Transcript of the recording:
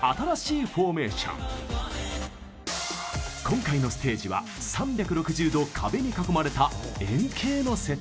今回のステージは３６０度壁に囲まれた円形のセット。